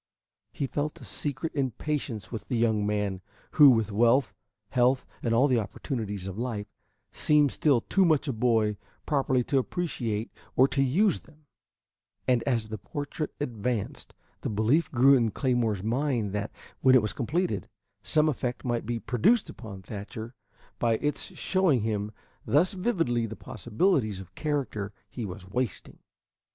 He felt a secret impatience with the young man, who, with wealth, health, and all the opportunities of life, seemed still too much a boy properly to appreciate or to use them; and as the portrait advanced, the belief grew in Claymore's mind that, when it was completed, some effect might be produced upon Thatcher by its showing him thus vividly the possibilities of character he was wasting.